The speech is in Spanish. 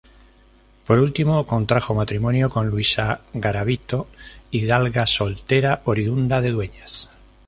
Por último, contrajo matrimonio con Luisa Garavito, hidalga soltera oriunda de Dueñas.